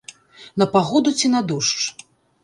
На пагоду ці на дождж?